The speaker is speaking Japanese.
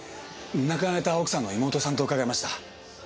亡くなられた奥さんの妹さんと伺いました。